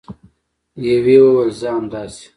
یوې وویل: زه همداسې